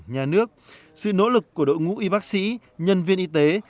nhà nước sự nỗ lực của đội ngũ y bác sĩ nhân viên y tế